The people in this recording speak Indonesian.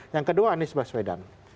yang kedua anies baswedan